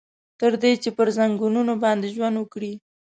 تر دې چې پر ځنګنونو باندې ژوند وکړي.